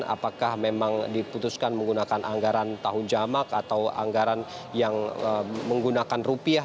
apakah memang diputuskan menggunakan anggaran tahun jamak atau anggaran yang menggunakan rupiah